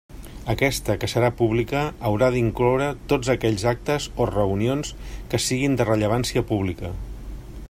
Aquesta, que serà pública, haurà d'incloure tots aquells actes o reunions que siguen de rellevància pública.